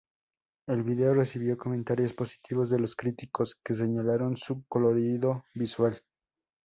El vídeo recibió comentarios positivos de los críticos, que señalaron su colorido visual.